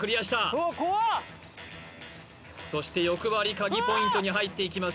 うわっ怖っそして欲張りカギポイントに入っていきます